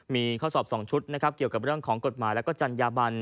มีข้อสอบ๒ชุดนะครับเกี่ยวกับเรื่องของกฎหมายและจัญญาบัน